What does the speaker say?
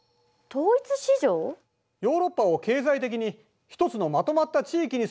ヨーロッパを経済的に一つのまとまった地域にするということだ。